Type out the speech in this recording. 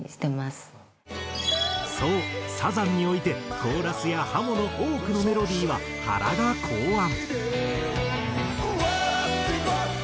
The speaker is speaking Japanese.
そうサザンにおいてコーラスやハモの多くのメロディーは原が考案。